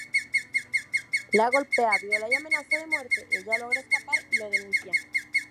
La golpea, viola y amenaza de muerte, ella logra escapar y lo denuncia.